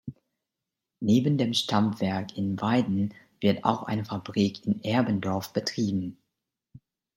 Neben dem Stammwerk in Weiden wird auch eine Fabrik in Erbendorf betrieben.